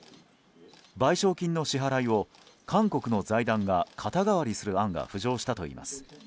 賠償金の支払いを韓国の財団が肩代わりする案が浮上したといいます。